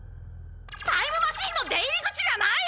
タイムマシンの出入り口がない！？